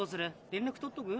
連絡取っとく？